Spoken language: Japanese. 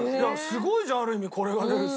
すごいじゃんある意味これが出るって。